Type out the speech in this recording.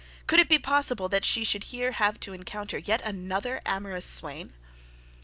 Could it be possible that she should her have to encounter another amorous swain?